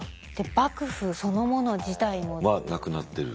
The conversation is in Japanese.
幕府そのもの自体も。はなくなってる。